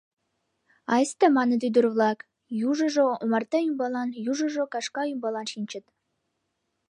— Айста, — маныт ӱдыр-влак, южыжо омарта ӱмбалан, южыжо кашка ӱмбалан шинчыт.